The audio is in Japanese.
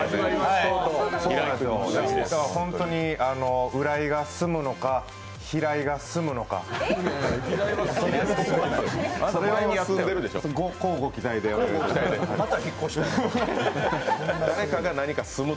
本当に、浦井が住むのか平井が住むのかまた引っ越すの？